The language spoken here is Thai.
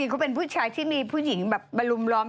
น้องมาร์ทเป็นผู้ชายที่มีผู้หญิงแบบบรูมล้อม